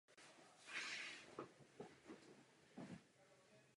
To bude také možné s touto smlouvou.